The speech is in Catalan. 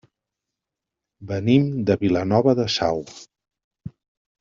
Venim de Vilanova de Sau.